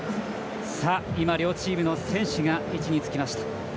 両チームの選手が位置につきました。